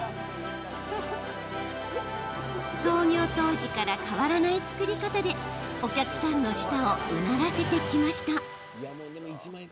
創業当時から変わらない作り方でお客さんの舌をうならせてきました。